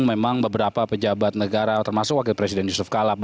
memang beberapa pejabat negara termasuk wakil presiden yusuf kala